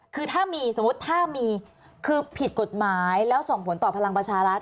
คือถ้ามีสมมุติถ้ามีคือผิดกฎหมายแล้วส่งผลต่อพลังประชารัฐ